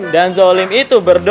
dan zolim itu berdo